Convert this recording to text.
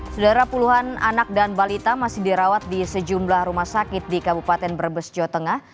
saudara puluhan anak dan balita masih dirawat di sejumlah rumah sakit di kabupaten brebes jawa tengah